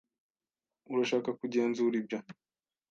Urashaka kugenzura ibyo?